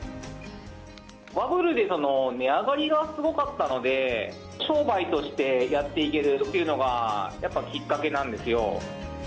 バブルで値上がりがすごかったので、商売としてやっていけるっていうのが、やっぱきっかけなんですよ。